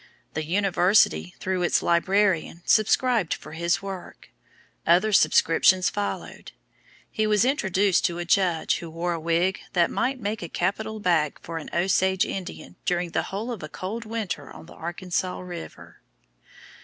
The University, through its Librarian, subscribed for his work. Other subscriptions followed. He was introduced to a judge who wore a wig that "might make a capital bed for an Osage Indian during the whole of a cold winter on the Arkansas River."